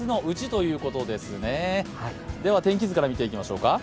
天気図から見ていきましょうか。